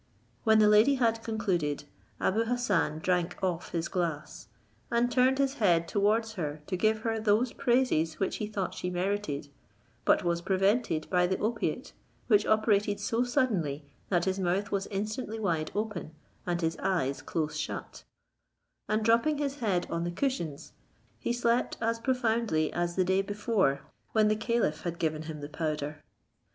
When the lady had concluded, Abou Hassan drank off his glass, and turned his head towards her to give her those praises which he thought she merited, but was prevented by the opiate, which operated so suddenly, that his mouth was instantly wide open, and his eyes close shut, and dropping his head on the cushions, he slept as profoundly as the day before when the caliph had given him the powder.